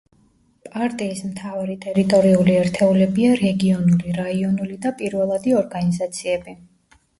პარტიის მთავარი ტერიტორიული ერთეულებია რეგიონული, რაიონული და პირველადი ორგანიზაციები.